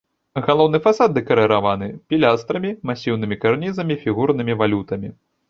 Галоўны фасад дэкарыраваны пілястрамі, масіўнымі карнізамі, фігурнымі валютамі.